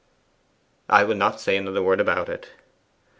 'I will not say another word about it.